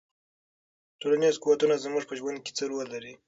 ټولنیز قوتونه زموږ په ژوند کې څه رول لري؟